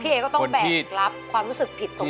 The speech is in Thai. พี่เอ๊ก็ต้องแบ่งรับความรู้สึกผิดตรงนั้นน่ะ